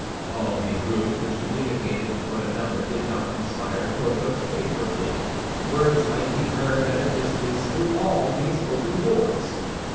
All these rooms, which communicated with one another, did not inspire Porthos favorably. Words might be heard at a distance through all these open doors.